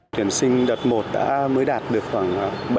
tuyển sinh đợt một đã mới đạt được khoảng bảy mươi